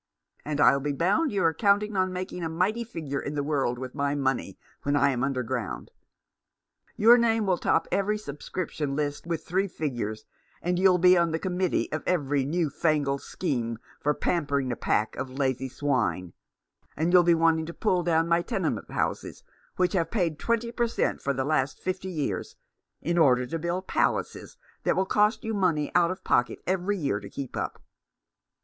And I'll be bound you are counting on making a mighty figure in the world with my money when I am under ground. Your name will top every sub scription list with three figures, and you'll be on the committee of every new fangled scheme for pampering a pack of lazy swine ; and you'll be wanting to pull down my tenement houses, which have paid twenty per cent, for the last fifty years, in order to build palaces that will cost you money out of pocket every year to keep up.